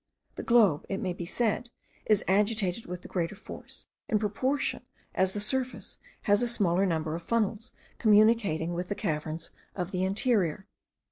The globe, it may be said, is agitated with the greater force, in proportion as the surface has a smaller number of funnels communicating with the caverns of the interior.